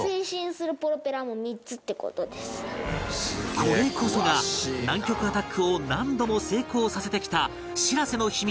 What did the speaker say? これこそが南極アタックを何度も成功させてきたしらせの秘密